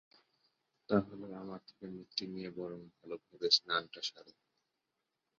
তাহলে আমার থেকে মুক্তি নিয়ে বরং ভালোভাবে স্নানটা সারো।